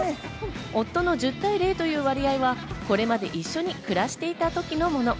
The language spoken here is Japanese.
夫の１０対０という割合はこれまで一緒に暮らしていた時のもの。